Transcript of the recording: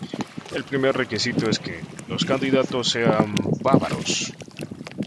El primer requisito es que los candidatos sean bávaros.